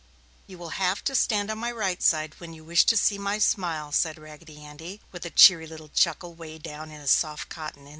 "You will have to stand on my right side, when you wish to see my smile!" said Raggedy Andy, with a cheery little chuckle 'way down in his soft cotton inside.